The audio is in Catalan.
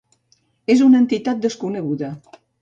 És una entitat desconeguda.